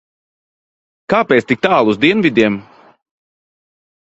Kāpēc tik tālu uz dienvidiem?